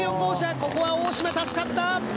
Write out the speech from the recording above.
ここは大嶋助かった！